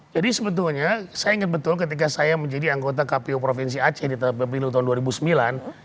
jadi sebetulnya saya ingat betul ketika saya menjadi anggota kpu provinsi aceh di pemilu tahun dua ribu sembilan